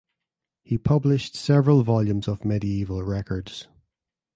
He published several volumes of medieval records.